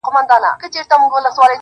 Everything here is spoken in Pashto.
• درد چي سړی سو له پرهار سره خبرې کوي_